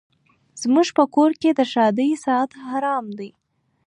زموږ په کور کي د ښادۍ ساعت حرام دی